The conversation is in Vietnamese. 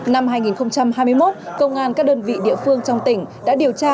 năm hai nghìn hai mươi một công an các đơn vị địa phương trong tỉnh đã điều tra